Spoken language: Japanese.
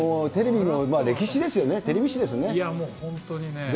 テレビの歴史ですよね、本当にね。